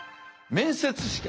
面接試験。